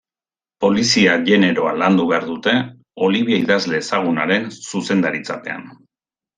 Polizia generoa landu behar dute, Olivia idazle ezagunaren zuzendaritzapean.